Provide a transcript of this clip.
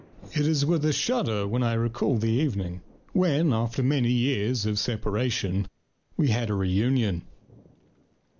It is with a shudder that I recall the evening, when, after many years of separation, we had a reunion.